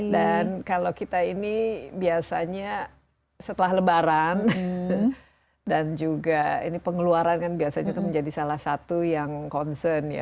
dan kalau kita ini biasanya setelah lebaran dan juga ini pengeluaran kan biasanya itu menjadi salah satu yang concern ya